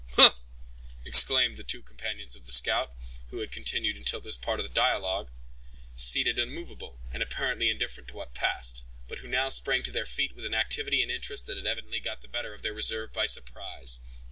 "Hugh!" exclaimed the two companions of the scout, who had continued until this part of the dialogue, seated immovable, and apparently indifferent to what passed, but who now sprang to their feet with an activity and interest that had evidently got the better of their reserve by surprise.